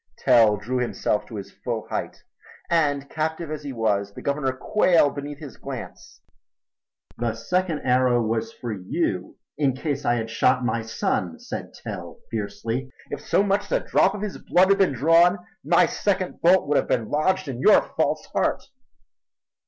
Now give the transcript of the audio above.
Tell drew himself to his full height and, captive as he was, the Governor quailed beneath his glance. "The second arrow was for you in case I had struck my son!" said Tell fiercely. "If so much as a drop of his blood had been drawn, my second bolt would have been lodged in your false heart."